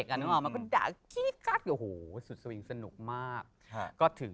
กลับมาแม่กลายแล้วต้องด่ากัน